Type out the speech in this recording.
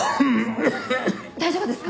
大丈夫ですか？